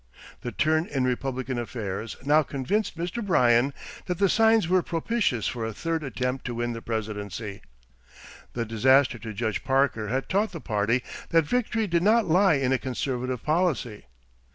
The turn in Republican affairs now convinced Mr. Bryan that the signs were propitious for a third attempt to win the presidency. The disaster to Judge Parker had taught the party that victory did not lie in a conservative policy.